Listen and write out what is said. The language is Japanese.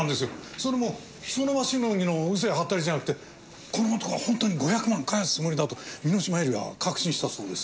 それもその場しのぎの嘘やはったりじゃなくてこの男は本当に５００万返すつもりだと簑島絵里は確信したそうです。